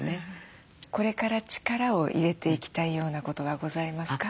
これから力を入れていきたいようなことはございますか？